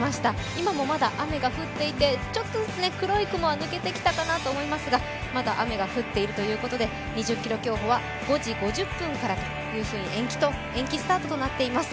今もまだ、雨が降っていて、ちょっとずつ黒い雲は抜けてきたかなと思いますがまだ、雨が降っているということで、２０ｋｍ競歩は５時５０分からというふうに延期スタートとなっています。